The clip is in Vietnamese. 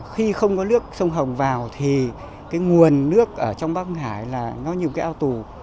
khi không có nước sông hồng vào thì cái nguồn nước ở trong bắc hải là nó nhiều cái ao tù